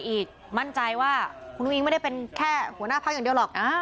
อีกมั่นใจว่าคุณอุ้งไม่ได้เป็นแค่หัวหน้าพักอย่างเดียวหรอก